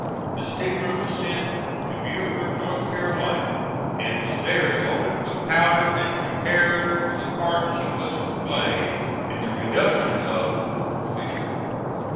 The steamer was sent to Beaufort, North Carolina, and was there loaded with powder and prepared for the part she was to play in the reduction of Fort Fisher.